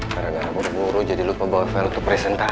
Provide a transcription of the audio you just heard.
saya tuh udah capek banget